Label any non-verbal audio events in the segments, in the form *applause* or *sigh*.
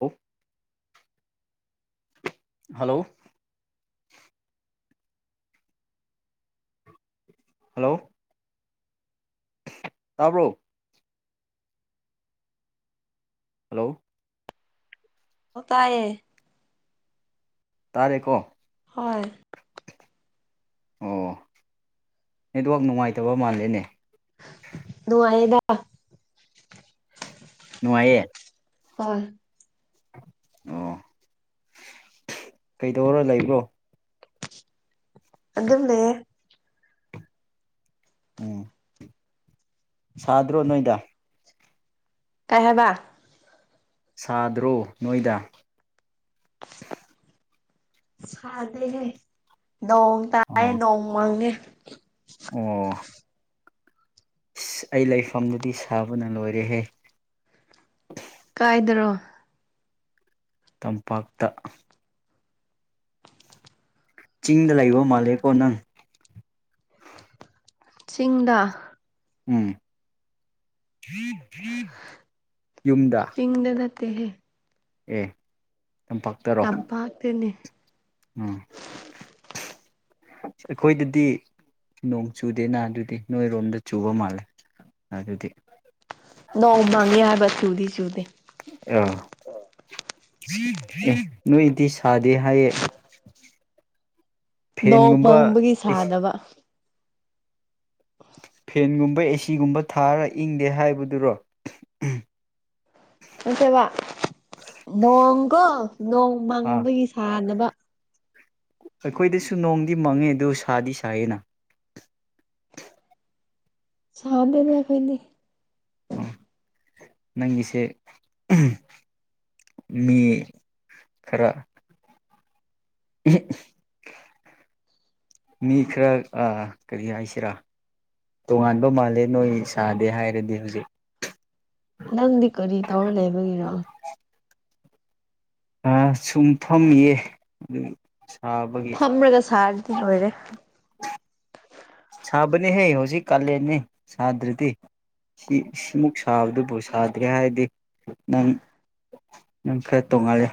ꯑꯣ hello hello ꯇꯔꯕ꯭ꯔꯣ hello ꯑꯥꯎ ꯇꯥꯌꯦ ꯇꯥꯔꯦꯀꯣ ꯍꯣꯏ ꯑꯣ ꯅꯦꯠꯋꯥꯛ ꯅꯨꯡꯉꯥꯏꯇꯕ ꯃꯥꯜꯂꯦꯅꯦ ꯅꯨꯡꯉꯥꯏꯌꯦꯗꯥ ꯅꯨꯡꯉꯥꯏꯌꯦ ꯍ ꯑꯣ ꯀꯩꯗꯧꯔ ꯂꯩꯕ꯭ꯔꯣ ꯑꯗꯨꯝ ꯂꯩꯌꯦ ꯎꯝ ꯁꯥꯗ꯭ꯔꯣ ꯅꯣꯏꯗ ꯀꯩ ꯍꯥꯏꯕꯥ ꯁꯥꯗ꯭ꯔꯣ ꯅꯣꯏꯗꯥ ꯁꯥꯗꯦꯦ ꯅꯣꯡ ꯇꯥꯏ ꯑꯣ ꯅꯣꯡ ꯃꯪꯉꯦ ꯑꯣ ꯑꯩ ꯂꯩꯐꯝꯗꯨꯗꯤ ꯁꯥꯕꯅ ꯂꯣꯏꯔꯦꯍꯦ ꯀꯥꯏꯗ꯭ꯔꯣ ꯇꯝꯄꯥꯛꯇ ꯆꯤꯡꯗ ꯂꯩꯕ ꯃꯥꯜꯂꯦꯀꯣ ꯅꯪ ꯆꯤꯡꯗ ꯎꯝ ꯌꯨꯝꯗ ꯠꯇꯍꯦ ꯑꯦ ꯇꯝꯄꯥꯛꯇꯔꯣ ꯇꯄ ꯍꯥꯥꯛꯇꯦꯅꯦ ꯎꯝ ꯑꯩꯈꯣꯏꯗꯗꯤ ꯅꯣꯡ ꯆꯨꯗꯦꯅ ꯑꯗꯨꯗꯤ ꯅꯣꯏꯔꯣꯝꯗ ꯆꯨꯕ ꯃꯥꯜꯂꯦ ꯑꯗꯨꯗꯤ ꯅꯣꯡ ꯃꯥꯡꯒꯌꯥ ꯍꯥꯏꯕ ꯆꯨꯗꯤ ꯆꯨꯗꯤ ꯑ ꯅꯣꯏꯗꯤ ꯁꯥꯗꯦ ꯍꯥꯏꯌꯦ ꯅꯣꯡ ꯐꯦꯟꯒꯨꯝꯕ ꯄꯪꯕꯒꯤ ꯏꯁ ꯁꯥꯗꯕ ꯐꯦꯟꯒꯨꯝꯕ ꯑꯦꯁꯤꯒꯨꯝꯕ ꯊꯥꯔ ꯏꯪꯗꯦ ꯍꯥꯏꯕꯗꯨꯔꯣ ꯅꯠꯇꯦꯕ ꯅꯣꯡ ꯀꯣ ꯅꯣꯡ ꯑꯥ ꯃꯪꯕꯒꯤ ꯁꯥꯅꯕ ꯑꯩꯈꯣꯏꯗꯁꯨ ꯅꯣꯡꯗꯤ ꯃꯪꯉꯦ ꯑꯗꯨ ꯁꯥꯗꯤ ꯁꯥꯏꯌꯦꯅ ꯁꯥꯟꯗꯅ ꯀꯣꯏꯅꯤ ꯑꯣ ꯅꯪꯒꯤꯁꯦ ꯃꯤ ꯈꯔ *inaudible* ꯃꯤ ꯈꯔ ꯀꯔꯤ ꯍꯥꯏꯁꯤꯔꯥ ꯇꯣꯉꯥꯟꯕ ꯃꯥꯜꯂꯦ ꯅꯣꯏ ꯁꯥꯗꯦ ꯍꯥꯏꯔꯗꯤ ꯍꯧꯖꯤꯛ ꯅꯪꯗꯤ ꯀꯔꯤ ꯇꯧꯔ ꯂꯩꯕꯒꯤꯔꯣ ꯑ ꯁꯨꯝ ꯐꯝꯌꯦ ꯐꯝꯃꯔꯒ ꯁꯥꯔꯗꯤ ꯑꯣꯏꯔꯦ ꯁꯥꯕꯅꯤ ꯍꯦ ꯍꯧꯖꯤꯛ ꯀꯥꯂꯦꯟꯅꯤ ꯁꯥꯗ꯭ꯔꯤꯗꯤ ꯁꯤꯃꯨꯛ ꯁꯥꯕꯗꯨꯕꯨ ꯁꯥꯗ꯭ꯔꯦ ꯍꯥꯏꯔꯗꯤ ꯅꯪ ꯅꯪ ꯈꯔ ꯇꯣꯡꯉꯥꯜꯂꯦ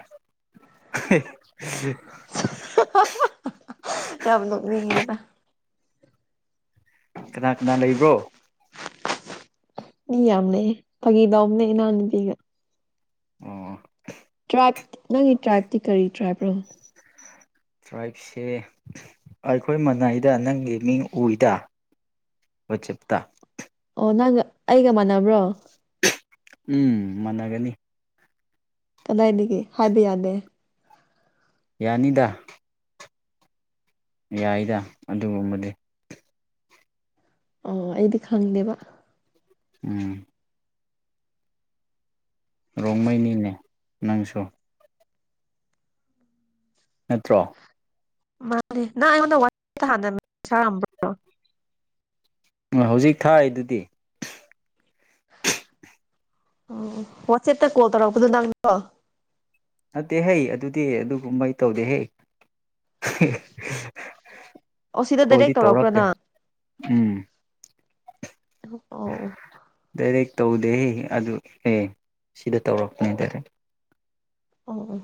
ꯌꯥꯝ ꯂꯅꯤꯡꯉꯗ ꯀꯅꯥ ꯀꯅꯥ ꯂꯩꯕ꯭ꯔꯣ ꯏ ꯌꯥꯝꯅꯦ ꯇꯒꯤ ꯏꯗꯝꯅ ꯅꯅꯤ ꯄꯒ ꯑꯣ ꯇ꯭ꯔ ꯅꯪꯒꯤ ꯇ꯭ꯔꯥꯏꯞꯇꯤ ꯀꯔꯤ ꯇ꯭ꯔꯥꯏꯕꯅꯣ ꯇ꯭ꯔꯥꯏꯞꯁꯦ ꯑꯩꯈꯣꯏ ꯃꯅꯥꯏꯗ ꯅꯪꯒꯤ ꯃꯤꯡ ꯎꯏꯗ ꯍ ꯆꯦꯞꯇ ꯑꯣ ꯅꯪꯒ ꯑꯩꯒ ꯃꯥꯟꯅꯕ꯭ꯔꯣ ꯎꯝ ꯃꯥꯟꯅꯒꯅꯤ ꯀꯗꯥꯏꯅꯤꯒ ꯍꯥꯏꯕ ꯌꯥꯗꯦ ꯌꯥꯅꯤꯗ ꯌꯥꯏꯗ ꯑꯗꯨꯒꯨꯝꯕꯗꯤ ꯑꯣ ꯑꯩꯗꯤ ꯈꯪꯗꯦꯕ ꯎꯝ ꯔꯣꯡꯃꯩꯅꯤꯅꯦ ꯅꯪꯁꯨꯣ ꯅꯠꯇ꯭ꯔꯣ ꯃꯥꯅꯦ ꯅꯪ ꯑꯩꯉꯣꯟꯗ ꯋꯥ ꯍ ꯁꯥꯝꯕ꯭ꯔꯣ ꯍꯧꯖꯤꯛ ꯊꯥꯏ ꯑꯗꯨꯗꯤ ꯎꯝ ꯋꯥꯆꯦꯠꯇ ꯀꯣ ꯇꯔ ꯀꯗ ꯂꯗ ꯅꯠꯇꯦ ꯍꯩ ꯑꯗꯨꯗꯤ ꯑꯗꯨꯒꯨꯝꯕꯩ ꯇꯧꯗꯦ ꯍꯦ ꯑꯣ ꯁꯤꯗ ꯁꯀꯨꯜꯗꯤ ꯗꯥꯏꯔꯦꯛ ꯇꯧꯔꯛꯄ꯭ꯔꯣ ꯇꯧꯔꯛꯇꯦ ꯅꯪ ꯎꯝ ꯑꯣ ꯗꯥꯏꯔꯦꯛ ꯇꯧꯗꯦ ꯑꯗꯨ ꯑꯦ ꯁꯤꯗ ꯇꯧꯔꯛꯄꯅꯦ ꯇꯗꯥꯏꯔꯦ ꯑꯣ ꯑꯣ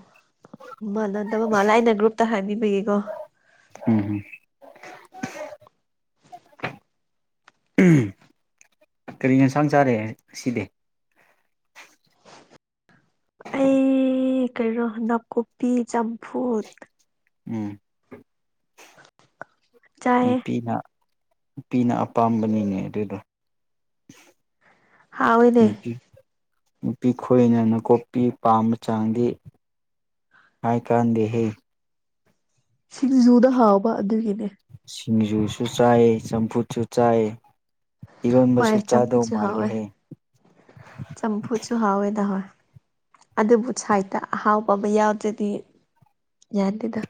ꯃꯥꯟꯅꯗꯕ ꯃꯥꯜꯂ ꯑꯩꯅ ꯒ꯭ꯔꯨꯞꯇ ꯍꯥꯏꯕꯤꯕꯒꯦꯀꯣ *unintelligible* ꯀꯔꯤ ꯌꯦꯟꯁꯥꯡ ꯆꯥꯔꯦ ꯑꯁꯤꯗꯤ *unintelligible* ꯀꯔꯣ ꯅ ꯀꯣꯄꯤ ꯆꯝꯐꯨꯠ ꯎꯝ ꯆꯥꯏꯌꯦ ꯅꯨꯄꯤꯅ ꯅꯨꯄꯤꯅ ꯑꯄꯥꯝꯕꯅꯤꯅꯦ ꯑꯗꯨꯗ ꯍ ꯑꯣꯏꯅꯦ ꯅꯨꯄꯤ ꯈꯣꯏꯅ ꯅꯀꯨꯞꯄꯤ ꯄꯥꯝꯕ ꯆꯥꯡꯗꯤ ꯍꯥꯏ ꯀꯥꯟꯗꯦꯍꯦ ꯁꯤꯡꯖꯨꯗ ꯍꯥꯎꯕ ꯑꯗꯨꯒꯤꯅꯦ ꯁꯤꯡꯖꯨꯁꯨ ꯆꯥꯏ ꯆꯝꯐꯨꯠꯁꯨ ꯆꯥꯏ ꯍꯣꯏ ꯏꯔꯣꯟꯕꯁꯨ ꯆꯥꯗꯧ ꯆꯝꯐꯨꯁꯨ ꯍꯥꯎꯋꯦ ꯃꯥꯜꯂꯦꯍꯦ ꯆꯝꯐꯨꯁꯨ ꯍꯥꯎꯋꯦꯗ ꯍꯣꯏ ꯑꯗꯨꯕꯨ ꯁꯥꯏꯗ ꯇ ꯑꯍꯥꯎꯕ ꯑꯃ ꯌꯥꯎꯗ꯭ꯔꯗꯤ ꯌꯥꯥꯟꯇꯗ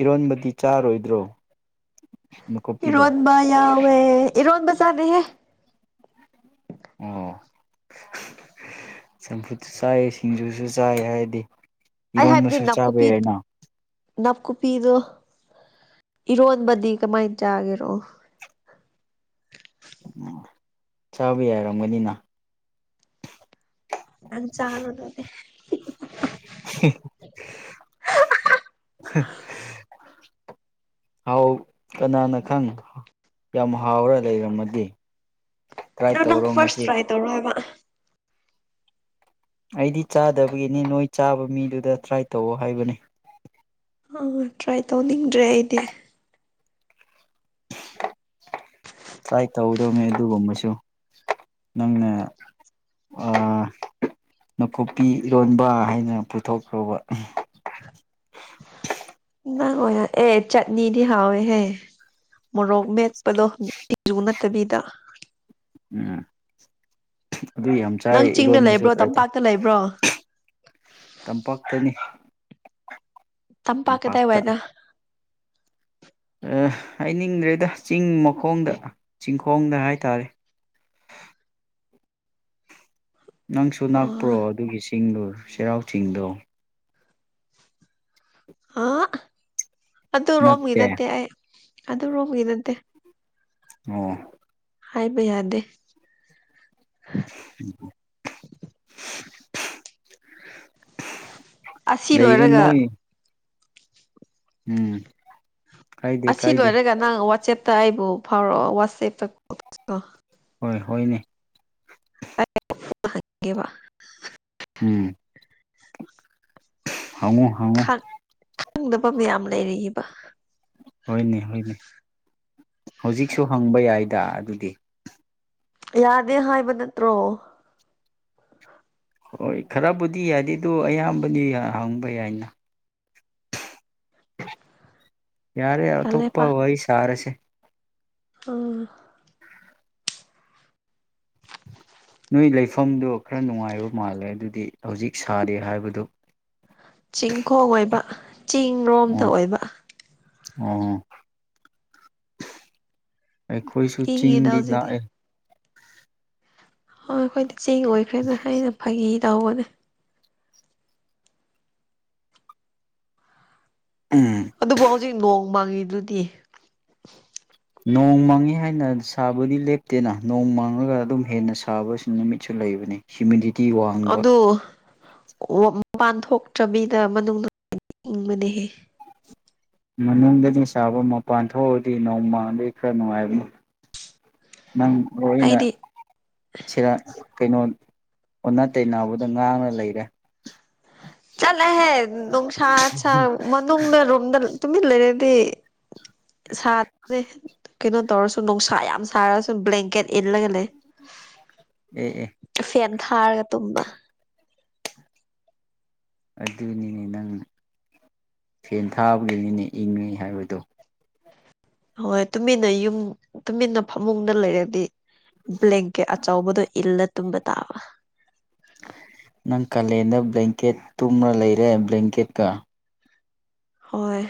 ꯏꯔꯣꯟꯕꯗꯤ ꯆꯥꯔꯣꯏꯗ꯭ꯔꯣ ꯅꯥꯀꯨꯞꯄꯤꯗꯣ ꯏꯔꯣꯟꯕꯥ ꯌꯥꯎ ꯇꯦ ꯏꯔꯣꯟꯕ ꯆꯥꯗꯦꯍꯦ ꯑꯣ ꯆꯝꯐꯨꯠꯁꯨ ꯆꯥꯏ ꯁꯤꯡꯖꯨꯁꯨ ꯆꯥꯏ ꯍꯥꯏꯗꯤ ꯏꯔꯣꯟꯗꯨꯁꯨ ꯆꯥꯕ ꯌꯥꯏꯅ ꯅꯥꯞꯀꯨꯞꯄꯤꯗꯣ ꯏꯔꯣꯟꯕꯗꯤ ꯀꯃꯥꯏꯅ ꯆꯥꯒꯦꯔꯣ ꯎ ꯆꯥꯕ ꯌꯥꯔꯝꯒꯅꯤꯅ ꯑ ꯆꯅꯗ *unintelligible* ꯍꯥꯎ ꯀꯅꯥꯅ ꯈꯪ ꯌꯥꯝ ꯍꯥꯎꯔ ꯂꯩꯔꯝꯃꯗꯤ ꯇ꯭ꯔꯥꯏ ꯑꯗꯨꯣ ꯅꯪ ꯇꯧꯔꯣ ꯐꯥꯔꯁ ꯉꯁꯤ ꯇ꯭ꯔꯥꯏ ꯇꯧꯔꯣ ꯍꯥꯏꯕ ꯑꯩꯗꯤ ꯆꯥꯗꯕꯒꯤꯅꯤ ꯅꯣꯏ ꯆꯥꯕ ꯃꯤꯗꯨꯗ ꯇ꯭ꯔꯥꯏ ꯇꯧꯑꯣ ꯍꯥꯏꯕꯅꯤ ꯑ ꯇ꯭ꯔꯥꯏ ꯇꯧꯅꯤꯡꯗ꯭ꯔꯦ ꯑꯩꯗꯤ ꯇ꯭ꯔꯥꯏ ꯇꯧꯗꯧꯅꯦ ꯑꯗꯨꯒꯨꯝꯕꯁꯨ ꯅꯪꯅ ꯑ ꯅꯥꯀꯨꯞꯄꯤ ꯏꯔꯣꯟꯕ ꯍꯥꯏꯅ ꯄꯨꯊꯣꯛꯈ꯭ꯔꯕ ꯅꯪ ꯑꯣꯏꯅ ꯑꯦ ꯆꯠꯅꯤꯗꯤ ꯍꯥꯎꯋꯦꯍꯦ ꯃꯣꯔꯣꯛ ꯃꯦꯠꯄꯗꯣ *unintelligible* ꯅꯠꯇꯕꯤꯗ ꯎꯝ ꯑꯗꯨ ꯌꯥꯝ ꯆꯥꯔ ꯅꯪ ꯆꯤꯡꯗ ꯏꯔꯣꯟꯕꯁꯨ ꯂꯩꯕ꯭ꯔꯣ ꯇ꯭ꯔꯥꯏꯇ ꯇꯝꯄꯥꯛꯇ ꯂꯩꯕ꯭ꯔꯣ ꯇꯝꯄꯥꯛꯇꯅꯤ ꯇꯝꯄꯥꯛ ꯇꯝꯄꯥꯛꯇ ꯀꯗꯌꯋꯥꯏꯗ ꯍꯥꯏꯅꯤꯡꯗ꯭ꯔꯦꯗ ꯆꯤꯡ ꯃꯈꯣꯡꯗ ꯆꯤꯡꯈꯣꯡꯗ ꯍꯥꯏꯇꯥꯔꯦ *unintelligible* ꯅꯪꯁꯨ ꯑ ꯅꯥꯛꯄ꯭ꯔꯣ ꯑꯗꯨꯒꯤ ꯆꯤꯡꯗꯣ ꯆꯩꯔꯥꯎ ꯆꯤꯡꯗꯣ ꯑ ꯑꯗꯨꯗ ꯔꯣꯝꯒꯤ ꯅꯛꯇꯦ ꯅꯠꯇꯦ ꯑ ꯑꯗꯨ ꯔꯣꯝꯒꯤ ꯅꯠꯇꯦ ꯑ ꯍꯥꯏꯕ ꯌꯥꯗꯦ *unintelligible* ꯑꯁꯤ ꯂꯩꯕ ꯂꯣꯏꯔꯒ ꯅꯣꯏ ꯎꯝ ꯀꯥꯏꯗꯦ ꯑꯁꯤ ꯀꯥꯏꯗꯦ ꯂꯣꯏꯔꯒ ꯅꯪ ꯋꯥꯆꯦꯞꯇ ꯑꯩꯕꯨ ꯐꯥꯎꯔꯛꯑꯣ ꯋꯥꯆꯦꯞꯇ ꯍꯣꯏ ꯍꯣꯏꯅꯦ *unintelligible* ꯎꯝ ꯍꯉꯨ ꯍꯉꯨ ꯈꯪꯗꯕꯗꯤ ꯌꯥꯝ ꯂꯩꯔꯤꯑꯕ ꯍꯣꯏꯅꯦ ꯍꯣꯏꯅꯦ ꯍꯧꯖꯤꯛꯁꯨ ꯍꯪꯕ ꯌꯥꯏꯗ ꯑꯗꯨꯗꯤ ꯌꯥꯗꯦ ꯍꯥꯏꯕ ꯅꯠꯇ꯭ꯔꯣ꯫ ꯍꯣꯏ ꯈꯔꯕꯨꯗꯤ ꯌꯥꯗꯦ ꯑꯗꯨ ꯑꯌꯥꯝꯕꯗꯤ ꯍꯪꯕ ꯌꯥꯏꯅ꯫ ꯌꯥꯔꯦ ꯑꯇꯣꯞꯄ ꯋꯥꯔꯤ ꯁꯔꯁꯦ꯫ ꯑꯣ꯫ ꯅꯣꯏ ꯂꯩꯐꯝꯗꯣ ꯈꯔ ꯅꯨꯡꯉꯥꯏꯕ ꯃꯥꯜꯂꯦ ꯑꯗꯨꯗꯤ ꯍꯧꯖꯤꯛ ꯁꯥꯗꯦ ꯍꯥꯏꯕꯗꯨ꯫ ꯆꯤꯡꯈꯣꯡ ꯑꯣꯏꯕ ꯆꯤꯡꯔꯣꯝꯗ ꯑꯣ ꯑꯣꯏꯕ꯫ ꯑꯣ ꯑꯩꯈꯣꯏꯁꯨ ꯏꯪꯉꯤꯗ ꯆꯤꯡꯗꯤ ꯍꯧꯖꯤꯛꯇꯤ ꯂꯥꯛꯑꯦ ꯍꯣ ꯑꯩꯈꯣꯏꯗꯤ ꯆꯦꯡ ꯑꯣꯏꯈ꯭ꯔꯦꯗ ꯑꯩꯅ ꯐꯈꯤ ꯇꯧꯕꯅꯦ꯫ ꯎꯝ ꯑꯗꯨꯕꯨ ꯍꯧꯖꯤꯛ ꯅꯣꯡ ꯃꯥꯡꯉꯤꯗꯨꯗꯤ꯫ ꯅꯣꯡ ꯃꯥꯡꯉꯤ ꯍꯥꯏꯅ ꯁꯥꯕꯗꯤ ꯂꯦꯞꯇꯦꯅ ꯅꯣꯡ ꯃꯥꯡꯉꯒ ꯑꯗꯨꯝ ꯍꯦꯟꯅ ꯁꯥꯕ ꯅꯨꯃꯤꯠꯁꯨ ꯂꯩꯕ ꯍ꯭ꯌꯨꯃꯤꯗꯤꯇꯤ ꯋꯥꯡꯕ꯫ ꯑꯗꯨ ꯃꯄꯥꯟ ꯊꯣꯛꯇ꯭ꯔꯕꯤꯗ ꯃꯅꯨꯡ ꯍꯤꯡꯕꯅꯦꯍꯦ꯫ ꯃꯅꯨꯡꯗꯗꯤ ꯁꯥꯥꯕ ꯃꯄꯥꯟ ꯊꯣꯛꯎꯗꯤ ꯅꯣꯡꯃꯥꯟꯗꯩ ꯈꯔ ꯅꯨꯡꯉꯥꯏꯕꯅꯤ꯫ ꯅꯪ ꯃꯔꯅ ꯑꯩꯗꯤ ꯁꯤꯔ ꯀꯩꯅꯣ ꯑꯣꯟꯅ ꯇꯩꯅꯕꯗ ꯉꯥꯡꯉꯥ ꯂꯩꯔꯦ꯫ ꯆꯂꯍꯦ ꯅꯨꯡꯁꯠꯁ ꯃꯅꯨꯡꯗ ꯔꯣꯝꯗ ꯇꯨꯃꯤꯟ ꯂꯩꯔꯥꯗꯤ꯫ ꯁꯥꯅꯦ ꯀꯩꯅꯣ ꯇꯧꯔꯁꯨ ꯅꯨꯡꯁꯥ ꯌꯥꯝ ꯁꯥꯔꯁꯨ ꯕ꯭ꯂꯦꯡꯀꯦꯠ ꯏꯜꯂꯒ ꯂꯩ꯫ ꯑꯦ ꯑꯦ ꯐꯦꯟ ꯊꯥꯔꯒ ꯇꯨꯝꯕ꯫ ꯑꯗꯨꯅꯤꯅꯦ ꯅꯪ꯫ ꯐꯦꯟ ꯊꯥꯕꯒꯤꯅꯤꯅ ꯏꯪꯉꯤ ꯍꯥꯏꯕꯗꯣ꯫ ꯍꯣꯏ ꯇꯨꯃꯤꯟꯅ ꯌꯨꯝ ꯇꯨꯃꯤꯟꯅ ꯐꯃꯨꯡꯗ ꯂꯩꯔꯗꯤ꯫ ꯕ꯭ꯂꯦꯛꯒꯤ ꯑꯆꯧꯕꯗꯣ ꯏꯜꯂ ꯇꯨꯝꯕ ꯇꯥꯕ꯫ ꯅꯪ ꯀ ꯂꯦ ꯕ꯭ꯂꯦꯡꯀꯦꯠ ꯇꯨꯝꯅ ꯂꯩꯔꯦ ꯕ꯭ꯂꯦꯡꯀꯦꯠꯀ꯫ ꯍꯣꯏ꯫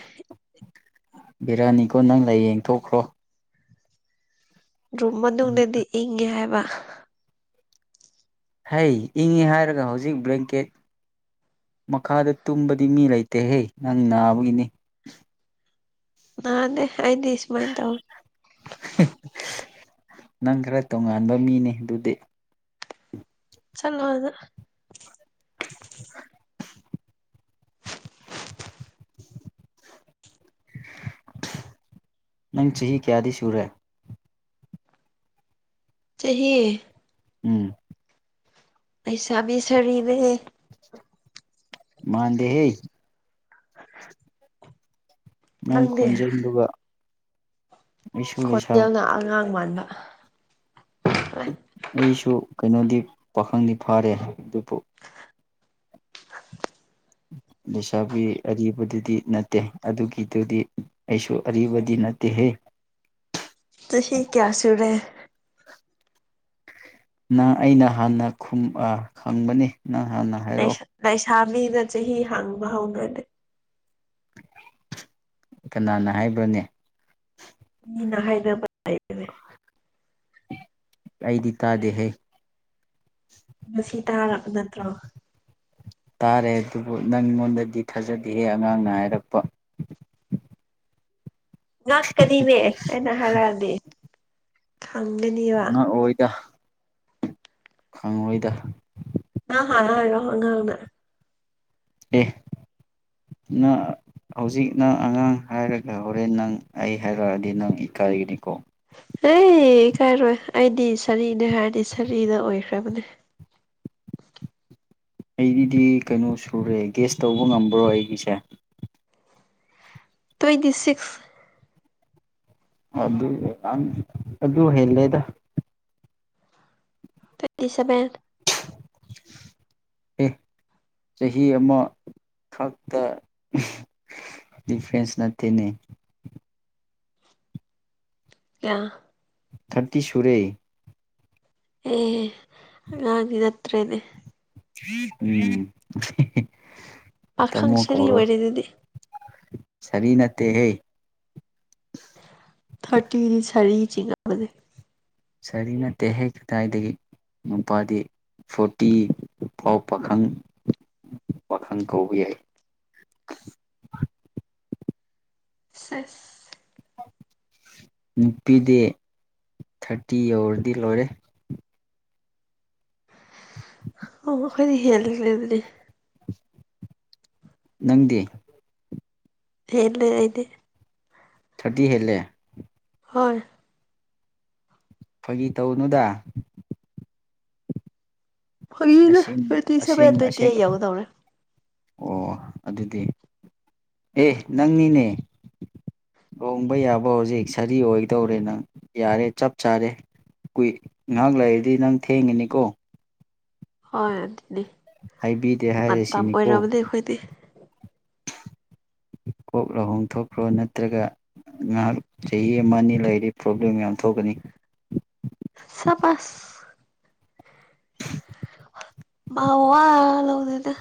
ꯕꯤꯔꯌꯥꯅꯤꯒꯣ ꯅꯪ ꯂꯥꯏ ꯌꯦꯡꯊꯣꯛꯈ꯭ꯔꯣ꯫ ꯔꯨꯝ ꯃꯅꯨꯡꯗꯗꯤ ꯏꯪꯉꯦ ꯍꯥꯏꯕ꯫ ꯍꯩ ꯏꯪꯉꯤ ꯍꯥꯏꯔꯒ ꯍꯧꯖꯤꯛ ꯕ꯭ꯂꯦꯡꯀꯦꯠ꯫ ꯃꯈꯥꯗ ꯇꯨꯝꯕꯗꯤ ꯃꯤ ꯂꯩꯇꯦꯍꯦ ꯅꯪ ꯅꯥꯕꯒꯤꯅꯤ꯫ ꯅꯥꯟꯅꯦ ꯑꯩꯗꯤ ꯁꯨꯃꯥꯏꯅ ꯇꯧ ꯅꯪ ꯈꯔ ꯇꯣꯉꯥꯟꯕ ꯃꯤꯅꯤ ꯑꯗꯨꯗꯤ꯫ ꯆꯠꯂꯣꯗ꯫ ꯍꯦꯍꯠ ꯅꯪ ꯆꯍꯤ ꯀꯌꯥꯗꯤ ꯁꯨꯔꯦ꯫ ꯆꯍꯤ ꯎꯝ꯫ ꯂꯩꯁꯥꯕꯤ ꯁꯔꯤꯅꯦꯍꯦ꯫ ꯃꯥꯟꯗꯦ ꯍꯦ꯫ ꯍꯥꯍꯨꯠ ꯅꯪ ꯈꯣꯟꯖꯦꯜ ꯑꯗꯨꯒ꯫ ꯈꯣꯟꯖꯦꯜꯅ ꯑꯉꯥꯡ ꯃꯥꯟꯕ ꯑꯩꯁꯨ ꯀꯩꯅꯣꯗꯤ ꯄꯥꯈꯪꯗꯤ ꯐꯥꯔꯦ ꯑꯗꯨꯕꯨ꯫ ꯎꯝ꯫ ꯂꯩꯁꯥꯕꯤ ꯑꯔꯤꯕꯗꯨꯗꯤ ꯅꯠꯇꯦ ꯑꯗꯨꯒꯤꯗꯨꯗꯤ ꯑꯩꯁꯨ ꯑꯔꯤꯕꯗꯤ ꯅꯠꯇꯦꯍꯦ꯫ ꯇꯦꯛ ꯆꯍꯤ ꯀꯌꯥ ꯁꯨꯔꯦ ꯅꯪ ꯑꯩꯅ ꯍꯥꯟꯅ ꯈꯨꯝ ꯍꯪꯕꯅꯤ ꯅꯪ ꯍꯥꯟꯅ ꯍꯥꯏꯔꯛꯑꯣ꯫ ꯊꯕꯤꯗ ꯆꯍꯤ ꯍꯥꯡꯕ ꯍꯧꯅꯗꯦ꯫ ꯀꯅꯥꯅ ꯍꯥꯏꯕ꯭ꯔꯅꯦ꯫ ꯃꯤꯅ ꯍꯥꯏꯅꯕ ꯂꯩꯕꯅꯦ꯫ ꯑꯩꯗꯤ ꯇꯥꯗꯦꯍꯦ꯫ ꯉꯁꯤ ꯇꯥꯔꯕ ꯅꯠꯇ꯭ꯔꯣ ꯇꯥꯔꯦ ꯑꯗꯨꯕꯨ ꯅꯪꯉꯣꯟꯗꯗꯤ ꯊꯥꯖꯗꯍꯦ ꯑꯉꯥꯡꯅ ꯍꯥꯏꯔꯛꯄ *unintelligible* ꯉꯥꯛꯀꯅꯤꯅꯦ ꯍꯥꯏꯅ ꯍꯥꯏꯔꯛꯑꯗꯤ ꯈꯪꯒꯅꯦꯕ ꯈꯪꯣꯏꯗ ꯉꯥꯡꯗ ꯑꯦ ꯍꯧꯖꯤꯛ ꯅꯪ ꯑꯉꯥꯡ ꯍꯥꯏꯔꯒ ꯍꯣꯔꯦꯟ ꯅꯪ ꯑꯩ ꯍꯥꯏꯔꯛꯑꯗꯤ ꯅꯪ ꯏꯀꯥꯏꯒꯤꯅꯤꯀꯣ ꯑꯦ ꯀꯥꯏꯔꯣꯏ ꯑꯩꯗꯤ ꯁꯥꯔꯤꯅꯦ ꯍꯥꯏꯔꯗꯤ ꯁꯥꯔꯤꯅ ꯑꯣꯏꯈ꯭ꯔꯕꯅꯦ ꯑꯩꯒꯤꯗꯤ ꯀꯩꯅꯣ ꯁꯨꯔꯦ ꯒꯦꯁ ꯇꯧꯕ ꯉꯝꯕ꯭ꯔꯣ ꯑꯩꯒꯤꯁꯦ ꯇ꯭ꯋꯦꯟꯇꯤ ꯁꯤꯛꯁ ꯑꯗꯨ ꯑꯗꯨ ꯍꯂꯦꯗ ꯇ꯭ꯋꯦꯟꯇꯤ ꯁꯚꯦꯟ *unintelligible* ꯆꯍꯤ ꯑꯃ ꯈꯥꯛꯛꯇ ꯗꯤꯐ꯭ꯔꯦꯦꯟꯁ ꯅ ꯅ ꯑ ꯊꯥꯔꯇ ꯁꯨꯔꯦ ꯑꯦꯉꯥꯡꯉꯅꯠꯇꯦꯅꯦ ꯎꯝ ꯄꯥꯈꯪ ꯇꯥꯃꯣ ꯁꯔꯤ ꯑꯣꯏꯦ ꯑꯗꯨꯗꯤ ꯁꯔꯤ ꯅꯠꯇꯦꯍꯦ ꯊꯥꯔꯇꯤꯗꯤ ꯁꯔꯤ ꯆꯤꯡ ꯁꯔꯤꯅꯠꯇꯦꯍꯦꯛ ꯀꯗꯥꯏꯗꯒꯤ ꯅꯨꯄꯥꯗꯤ ꯐꯣꯔꯇꯤ ꯐꯥꯎ ꯄꯥꯈꯪ ꯋꯥꯈꯪ ꯀꯧꯕ ꯌꯥꯏ ꯁꯦꯁ *unintelligible* ꯅꯨꯄꯤꯗꯤ ꯊꯥꯔꯇꯤ ꯌꯧꯔꯗꯤ ꯂꯣꯏꯔꯦ ꯑꯣ ꯃꯈꯣꯏꯗꯤ ꯍꯦꯜꯂꯈ꯭ꯔꯦ ꯑꯗꯨꯅꯦ ꯅꯪꯗꯤ ꯍꯦ ꯂꯩꯗꯤ ꯊꯥꯔꯇꯤ ꯍꯦꯜꯂꯦ ꯍꯣꯏ ꯐꯥꯒꯤ ꯇꯧꯅꯨꯗ ꯑ ꯐꯒꯤꯅꯦ ꯇ꯭ꯋꯦꯟꯇꯤ ꯁꯚꯦꯟ ꯑꯦꯡ ꯇ꯭ꯋꯦꯟꯇꯤ ꯑꯁꯦꯡ ꯑꯩꯠ ꯌꯧꯒꯗꯧꯔꯦ ꯑꯣ ꯑꯗꯨꯗꯤ ꯑꯦ ꯅꯪꯅꯤꯅꯦ ꯍꯣꯡꯕ ꯌꯥꯕ ꯍꯧꯖꯤꯛ ꯁꯥꯔꯤ ꯑꯣꯏꯗꯧꯔꯦ ꯅꯪ ꯌꯥꯔꯦ ꯆꯞ ꯆꯥꯔꯦ ꯀꯨꯏ ꯉꯥꯏꯍꯥꯛ ꯂꯩꯔꯗꯤ ꯅꯪ ꯊꯦꯡꯒꯅꯤꯀꯣ ꯍꯣꯏ ꯑꯗꯨꯇꯅꯦ ꯍꯥꯏꯕꯤꯗꯦ ꯃꯇꯝ ꯍꯥꯏꯔꯤꯁꯤꯅꯤꯀꯣ ꯑꯣꯏꯔꯕꯅꯦ ꯑꯩꯈꯣꯏꯗꯤ ꯀꯣꯛ ꯂꯥꯎꯍꯣꯡ ꯊꯣꯛꯈ꯭ꯔꯣ ꯅꯠꯇ꯭ꯔꯒ ꯉꯥꯏꯍꯥꯛ ꯆꯍꯤ ꯑꯃ ꯑꯅꯤ ꯂꯩꯔꯤ ꯄ꯭ꯔꯣꯕ꯭ꯂꯦꯝ ꯌꯥꯝ ꯊꯣꯛꯀꯅꯤ ꯆꯕꯥꯁ ꯃꯥ ꯋꯥ ꯍ ꯂꯧ ꯍꯧꯗꯗ